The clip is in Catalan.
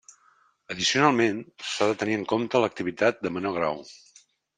Addicionalment, s'ha de tenir en compte l'activitat de menor grau.